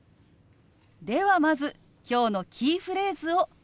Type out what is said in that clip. ではまず今日のキーフレーズを見てみましょう。